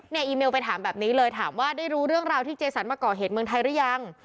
อีเมลไปถามแบบนี้เลยถามว่าได้รู้เรื่องราวที่เจสันมาก่อเหตุเมืองไทยหรือยัง